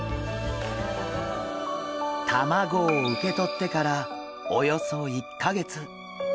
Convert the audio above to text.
卵を受け取ってからおよそ１か月。